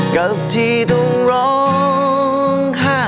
กับที่ต้องร้องค่ะ